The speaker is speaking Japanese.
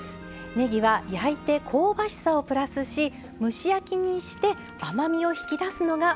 ねぎは焼いて香ばしさをプラスし蒸し焼きにして甘みを引き出すのがポイントでした。